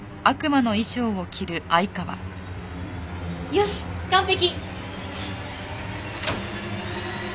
よし完璧！